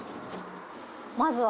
まずは？